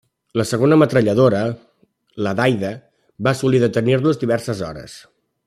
La segona metralladora, la d'Aida, va assolir detenir-los diverses hores.